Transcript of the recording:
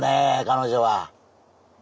彼女は。